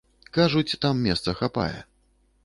Кажуць, там месца хапае.